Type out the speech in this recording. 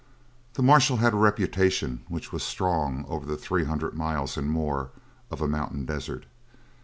The marshal had a reputation which was strong over three hundred miles and more of a mountain desert.